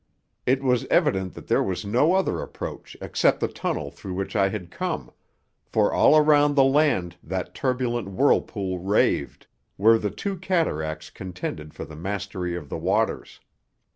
It was evident that there was no other approach except the tunnel through which I had come, for all around the land that turbulent whirlpool raved, where the two cataracts contended for the mastery of the waters.